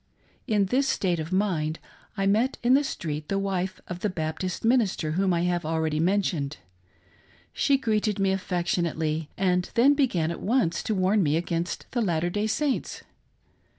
In this state of mind I met in the street the wife of the Baptist minister whom I have already mentioned. She greeted me affectionately and then began a.t once to warn me against the Latter day Saints.